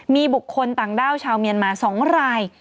มีบุคคลต่างด้าวชาวเมียนมา๒ราย